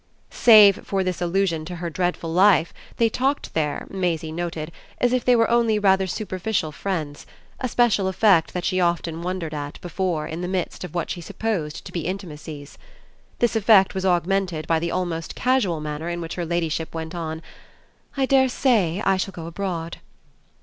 Save for this allusion to her dreadful life they talked there, Maisie noted, as if they were only rather superficial friends; a special effect that she had often wondered at before in the midst of what she supposed to be intimacies. This effect was augmented by the almost casual manner in which her ladyship went on: "I dare say I shall go abroad."